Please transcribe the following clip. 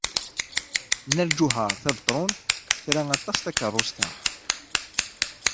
Nna Lǧuheṛ Tabetṛunt tra aṭas takeṛṛust-a.